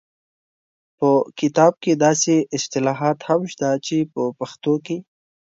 په کتاب کې داسې اصطلاحات هم شته چې په پښتو کې